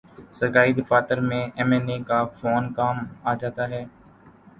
سرکاری دفاتر میں ایم این اے کا فون کام آجا تا ہے۔